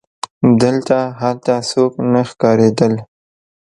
دلته هلته څوک نه ښکارېدل.